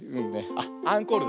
あっアンコールだ。